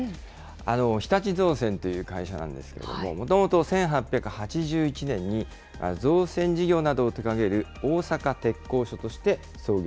日立造船という会社なんですけれども、もともと１８８１年に造船事業などを手がける大阪鉄工所として創業。